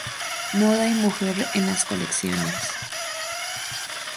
Moda y mujer en las colecciones".